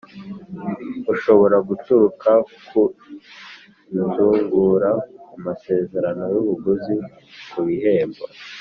ushobora guturuka ku izungura, ku masezerano y'ubuguzi, ku bihembo